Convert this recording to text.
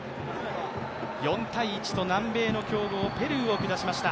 ４ー１と南米の強豪・ペルーを下しました。